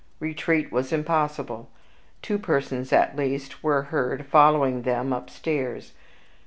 Retreat was impossible; two persons at least were heard following them upstairs.